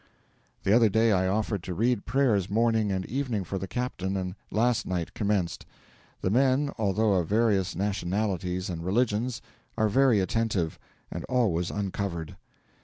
The other day I offered to read prayers morning and evening for the captain, and last night commenced. The men, although of various nationalities and religions, are very attentive, and always uncovered.